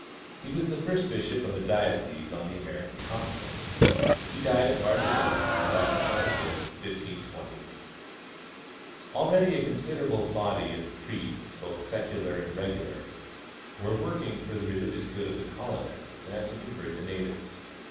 He was the first bishop of a diocese on the American continent. He died at Barcelona about December 5, 1520. "Already a considerable body of priests, both secular and regu lar, were working for the religious good of the colonists and to convert the natives.